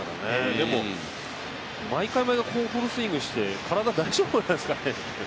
でも、毎回毎回フルスイングして、体、大丈夫なんですかね。